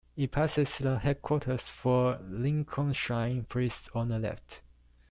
It passes the headquarters for Lincolnshire Police on the left.